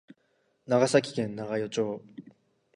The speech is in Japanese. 長崎県長与町